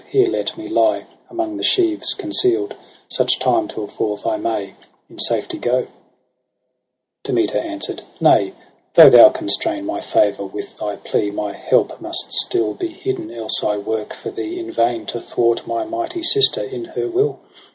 Here let me lie among the sheaves conceal'd Such time tiU forth I may in safety go.' OCTOBER 163 If Demeter answer'd, ' Nay, though thou constrain My favour with thy plea, my help must still Be hidden, else I work for thee in vain To thwart my mighty sister in her will.